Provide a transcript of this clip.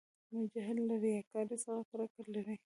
مجاهد له ریاکارۍ څخه کرکه لري.